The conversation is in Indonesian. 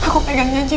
sampai jumpa lagi